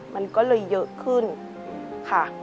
มันก็เลยเยอะขึ้นค่ะ